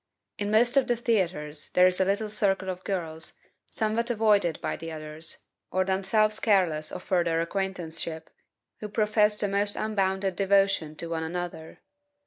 In most of the theaters there is a little circle of girls, somewhat avoided by the others, or themselves careless of further acquaintanceship, who profess the most unbounded devotion to one another.